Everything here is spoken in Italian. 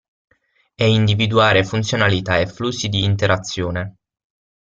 E individuare funzionalità e flussi di interazione.